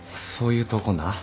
そういうとこな。